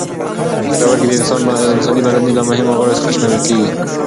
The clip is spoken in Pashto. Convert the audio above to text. پښتورګي د انساني بدن له مهمو غړو څخه شمېرل کېږي.